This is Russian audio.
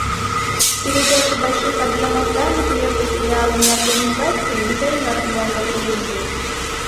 Передача больших объемов данных между филиалами организации не займет много времени